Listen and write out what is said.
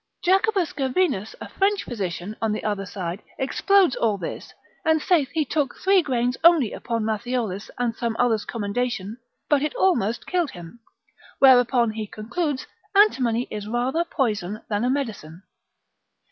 Jacobus Gervinus a French physician, on the other side, lib. 2. de venemis confut. explodes all this, and saith he took three grains only upon Matthiolus and some others' commendation, but it almost killed him, whereupon he concludes, antimony is rather poison than a medicine.